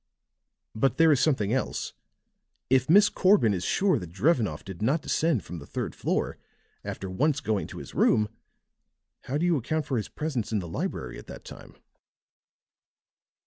But there is something else. If Miss Corbin is sure that Drevenoff did not descend from the third floor, after once going to his room, how do you account for his presence in the library at that time?"